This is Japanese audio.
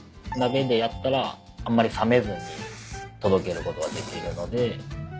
鍋でやったらあんまり冷めずに届けることができるので。